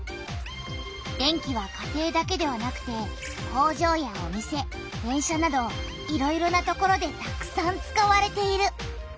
電気は家庭だけではなくて工場やお店電車などいろいろな所でたくさん使われている。